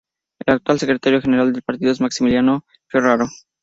El actual Secretario General del partido es Maximiliano Ferraro.